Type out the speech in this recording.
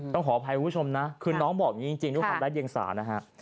ต้องขออภัยให้คุณผู้ชมนะคือน้องบอกจริงความรัดเย็งสานะฮะ